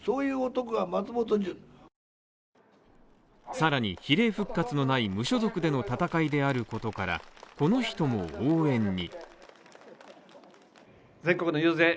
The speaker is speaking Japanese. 更に、比例復活のない無所属での戦いであることからこの人も応援に。